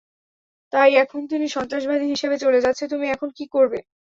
তাই এখন তিনি সন্ত্রাসবাদী হিসাবে চলে যাচ্ছে তুমি এখন কি করবে?